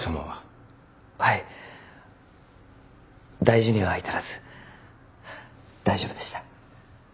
はい大事には至らず大丈夫でした。